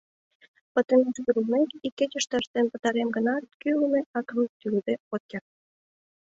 Пытымеш кӱрлмек, ик кечыште ыштен пытарем гынат, кӱрлмӧ акым тӱлыде от керт.